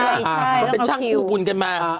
ใช่ต้องคิวต้องเป็นช่างคู่กลุ่นกันมา